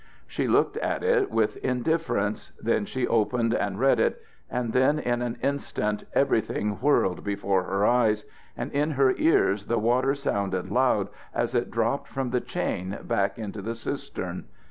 She looked at it with indifference; then she opened and read it; and then in an instant everything whirled before her eyes, and in her ears the water sounded loud as it dropped from the chain back into the cistern.